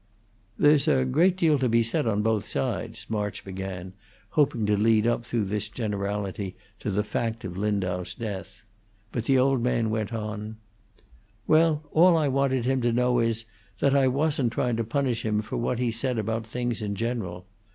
"There's a great deal to be said on both sides," March began, hoping to lead up through this generality to the fact of Lindau's death; but the old man went on: "Well, all I wanted him to know is that I wasn't trying to punish him for what he said about things in general.